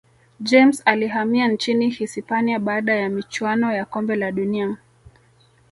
james alihamia nchini hisipania baada ya michuano ya kombe la dunia